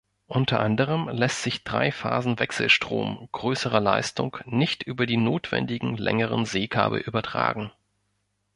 Unter anderem lässt sich Dreiphasenwechselstrom größerer Leistung nicht über die notwendigen längeren Seekabel übertragen.